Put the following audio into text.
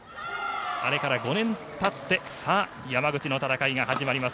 あれから５年たって山口の戦いが始まります。